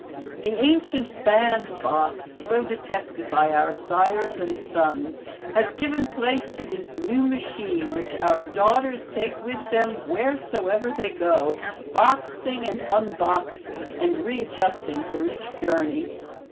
The ancient bandbox, so detested by our sires and sons, has given place to this new machine which our daughters take with them wheresoever they go, boxing and unboxing and readjusting for each journey.